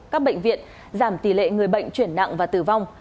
các bệnh viện giảm tỷ lệ người bệnh chuyển nặng và tử vong